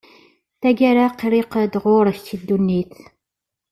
"Taggara qriq-d ɣur-k ddunnit».